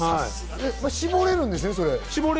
絞れるんですね。